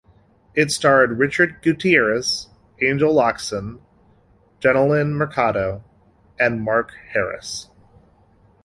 It starred Richard Gutierrez, Angel Locsin, Jennylyn Mercado and Mark Herras.